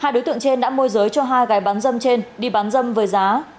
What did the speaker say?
hai đối tượng trên đã môi giới cho hai gái bán dâm trên đi bán dâm với giá